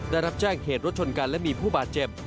ได้รับแจ้งเหตุรถชนกันและมีผู้บาดเจ็บ